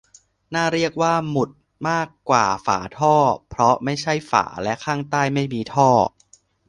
"น่าเรียกว่าหมุดมากกว่าฝาท่อ เพราะไม่ใช่ฝา และข้างใต้ไม่มีท่อ"